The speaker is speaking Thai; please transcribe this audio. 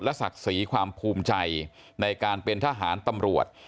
ศักดิ์ศรีความภูมิใจในการเป็นทหารตำรวจ